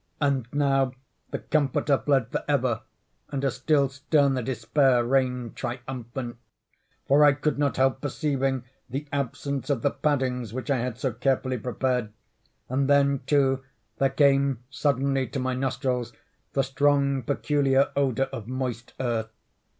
And now the Comforter fled for ever, and a still sterner Despair reigned triumphant; for I could not help perceiving the absence of the paddings which I had so carefully prepared—and then, too, there came suddenly to my nostrils the strong peculiar odor of moist earth.